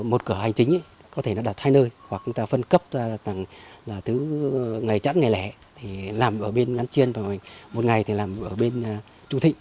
một cửa hành chính có thể nó đặt hai nơi hoặc người ta phân cấp tầng là thứ ngày chẵn ngày lẻ thì làm ở bên ngắn chiên và một ngày thì làm ở bên trung thịnh